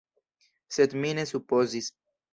Sed mi ne supozis.